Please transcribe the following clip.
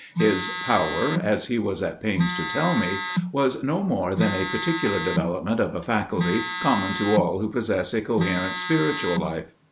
His power, as he was at pains to tell me, was no more than a particular development of a faculty common to all who possess a coherent spiritual life.